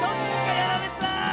やられた。